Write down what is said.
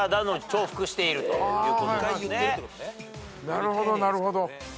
なるほどなるほど。